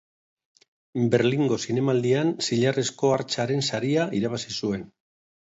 Berlingo Zinemaldian Zilarrezko Hartzaren saria irabazi zuen.